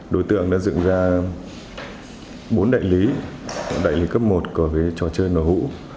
đối tượng đã dựng ra bốn đại lý đại lý cấp một có cái trò chơi nổ hũ